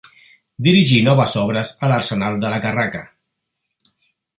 Dirigí noves obres a l'arsenal de la Carraca.